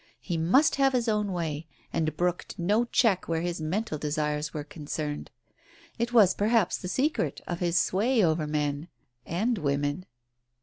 He must have his own way, and brooked no check where his mental desires were con cerned. It was perhaps the secret of his sway over men — and women.